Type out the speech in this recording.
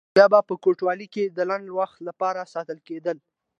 یا به په کوټوالۍ کې د لنډ وخت لپاره ساتل کېدل.